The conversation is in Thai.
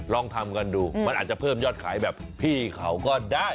ลองทำกันดูมันอาจจะเพิ่มยอดขายแบบพี่เขาก็ได้